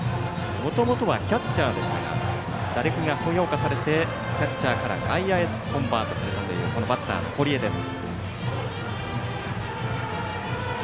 もともとはキャッチャーでしたが打力が評価されてキャッチャーから外野へとコンバートされたというバッターの堀江です。